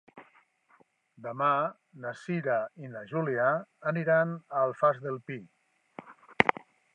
Demà na Cira i na Júlia aniran a l'Alfàs del Pi.